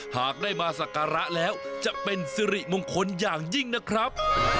หากได้มาสักการะแล้วจะเป็นสิริมงคลอย่างยิ่งนะครับ